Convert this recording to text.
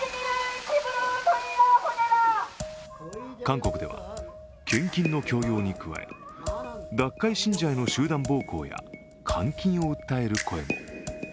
韓国では献金の強要に加え、脱会信者への集団暴行や監禁を訴える声も。